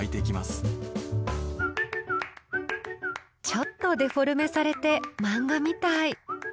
ちょっとデフォルメされて漫画みたい。